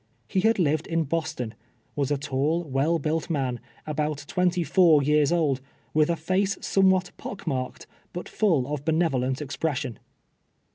lie had lived in Bi)Ston — was a tall, well Luilt man, about twenty four years old, with a lace somewhat pock marked, but full of benevolent expression.